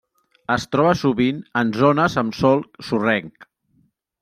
Es troba sovint en zones amb sòl sorrenc.